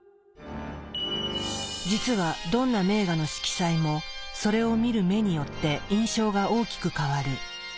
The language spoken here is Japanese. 実はどんな名画の色彩もそれを見る目によって印象が大きく変わる。